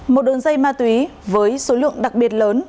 một đường dây ma túy với số lượng đặc biệt lớn